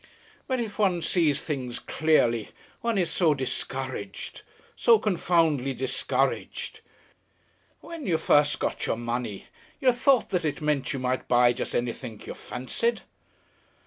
But, if one sees things clearly, one is so discouraged. So confoundedly discouraged.... When you first got your money, you thought that it meant you might buy just anything you fancied?"